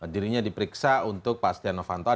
dirinya diperiksa untuk pak stiano fanto